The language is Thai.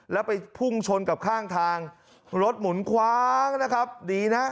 แล้วไปพุ่งชนกับข้างทางรถหมุนคว้างนะครับดีนะ